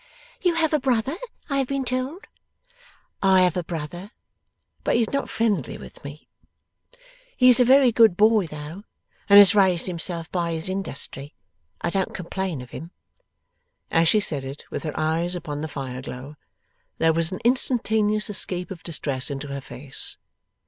'You have a brother, I have been told?' 'I have a brother, but he is not friendly with me. He is a very good boy though, and has raised himself by his industry. I don't complain of him.' As she said it, with her eyes upon the fire glow, there was an instantaneous escape of distress into her face.